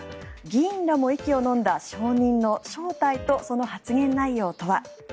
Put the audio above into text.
議員らも息をのんだ証人の正体とその発言内容とは。